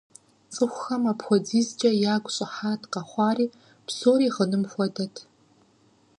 ЦӀыхухэм апхуэдизкӀэ ягу щӀыхьат къэхъуари, псори гъыным хуэдэт.